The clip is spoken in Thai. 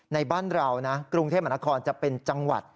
ในบ้านเรานะกรุงเทพมหานครจะเป็นจังหวัด